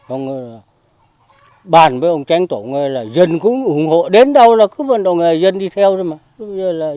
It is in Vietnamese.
ông bàn với ông tránh tổng là dân cũng ủng hộ đến đâu là cứ vận động dân đi theo thôi mà